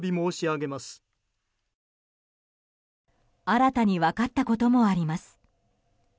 新たに分かったこともあります。